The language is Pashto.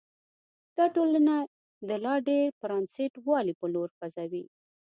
دا ټولنه د لا ډېر پرانیست والي په لور خوځوي.